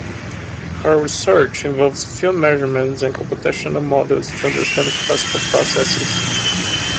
Her research involves field measurements and computational models to understand coastal processes.